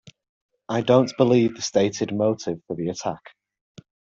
I don't believe the stated motive for the attack.